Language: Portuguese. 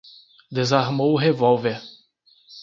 Desarmou o revólver